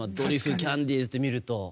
キャンディーズって見ると。